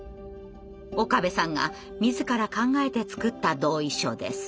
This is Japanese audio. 岡部さんが自ら考えて作った同意書です。